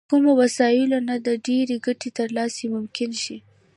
له کمو وسايلو نه د ډېرې ګټې ترلاسی ممکن شي.